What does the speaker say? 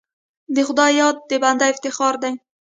د خدای یاد د بنده افتخار دی.